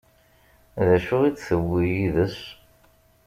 D acu i d-tewwi yid-s?